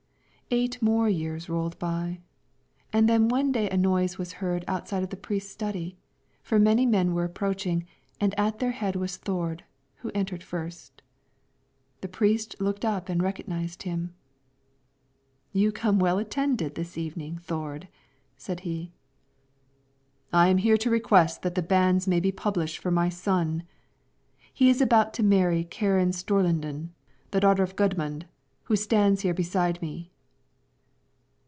Eight years more rolled by, and then one day a noise was heard outside of the priest's study, for many men were approaching, and at their head was Thord, who entered first. The priest looked up and recognized him. "You come well attended this evening, Thord," said he. "I am here to request that the banns may be published for my son: he is about to marry Karen Storliden, daughter of Gudmund, who stands here beside me."